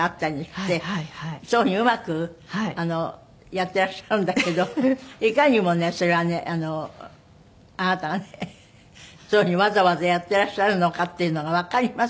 そういう風にうまくやってらっしゃるんだけどいかにもねそれはねあなたがねそういう風にわざわざやってらっしゃるのかっていうのがわかります